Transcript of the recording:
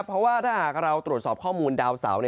เพราะว่าถ้าหากเราตรวจสอบข้อมูลดาวเสา